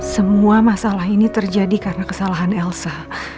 semua masalah ini terjadi karena kesalahan elsa